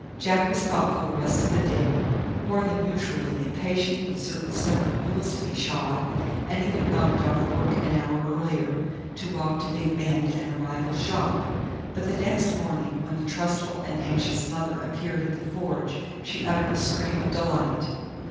Jack was thoughtful the rest of the day, more than usually impatient with certain stubborn mules to be shod, and even knocked off work an hour earlier to walk to Big Bend and a rival shop. But the next morning when the trustful and anxious mother appeared at the forge she uttered a scream of delight.